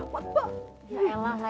bisa mencobot pak